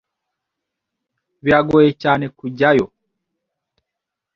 Biragoye cyane kujyayo.